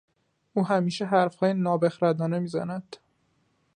او همیشه حرفهای نابخردانه می زند.